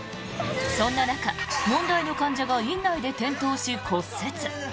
そんな中、問題の患者が院内で転倒し骨折。